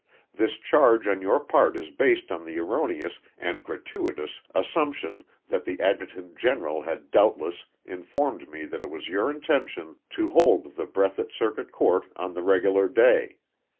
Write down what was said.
This charge on your part is based on the erroneous and gratuitous assumption that the Adjutant General had doubtless informed me that it was your intention to hold the Breathitt Circuit Court on the regular day.